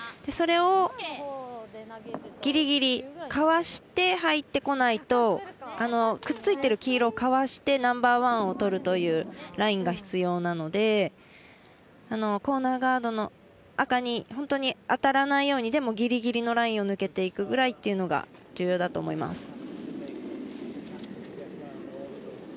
それをギリギリかわして入ってこないとくっついている黄色をかわしてナンバーワンを取るというラインが必要なのでコーナーガードの赤に本当に当たらないようにでも、ギリギリのラインを抜けていくぐらいというのが重要だと思います。